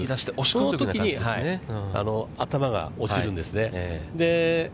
そのときに頭が落ちるんですね。